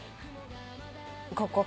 ここか。